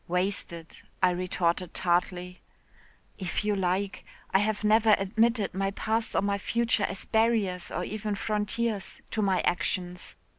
'Wasted,' I retorted tartly. 'If you like. I have never admitted my past or my future as barriers or even frontiers to my actions.